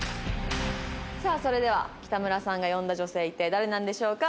さあそれでは北村さんが呼んだ女性一体誰なんでしょうか。